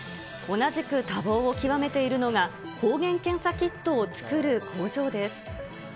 同じく多忙を極めているのが、抗原検査キットを作る工場です。